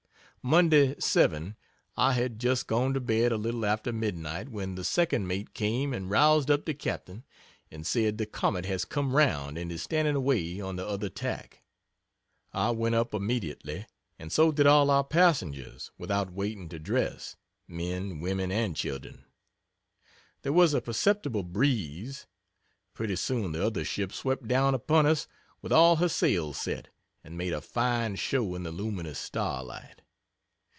Monday 7 I had just gone to bed a little after midnight when the 2d mate came and roused up the captain and said "The Comet has come round and is standing away on the other tack." I went up immediately, and so did all our passengers, without waiting to dress men, women and children. There was a perceptible breeze. Pretty soon the other ship swept down upon us with all her sails set, and made a fine show in the luminous starlight.